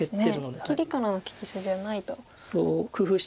切りからの利き筋はないと。